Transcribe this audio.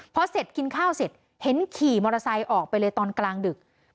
พอเสร็จกินข้าวเสร็จเห็นขี่มอเตอร์ไซค์ออกไปเลยตอนกลางดึก